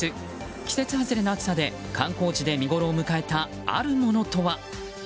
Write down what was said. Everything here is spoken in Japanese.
季節外れの暑さで観光地で見ごろを迎えたあるものとは。